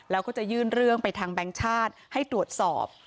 แล้วก็จะยื่นเรื่องไปทางแบงค์ชาติให้ตรวจสอบ